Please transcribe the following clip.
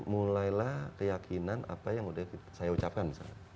mulailah keyakinan apa yang sudah saya ucapkan misalnya